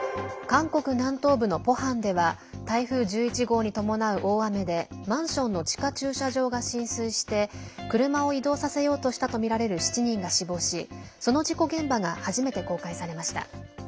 韓国南東部のポハンでは台風１１号に伴う大雨でマンションの地下駐車場が浸水して車を移動させようとしたとみられる７人が死亡しその事故現場が初めて公開されました。